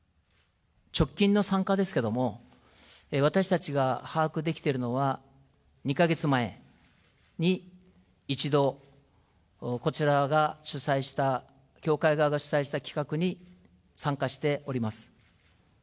直近の参加ですけれども、私たちが把握できているのは、２か月前に１度、こちらが主催した、教会側が主催した企画に参加しております。